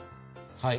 はい。